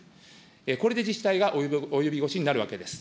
これで自治体が及び腰になるわけです。